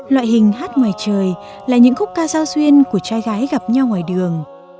loại hình hát ngoài trời là những khúc ca giao duyên của trai gái gặp nhau ngoài đường